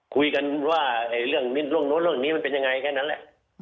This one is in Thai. คุยกันว่าเรื่องนี้มันเป็นยังไงแค่นั้นแหละ